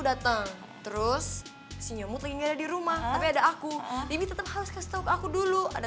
datang terus sinyamut lagi ada di rumah tapi ada aku ini tetap harus kasih tahu ke aku dulu ada